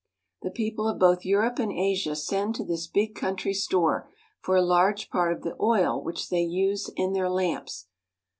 The people of both Europe and Asia send to this big country store for a large part of the oil which they use in their lamps.